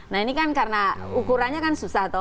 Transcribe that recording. nah ini kan karena ukurannya kan susah tuh